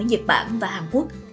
ở nhật bản và hàn quốc